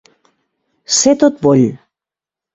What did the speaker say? Ser tot boll.